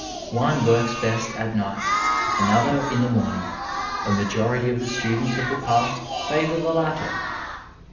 One works best at night; another, in the morning; a majority of the students of the past favour the latter.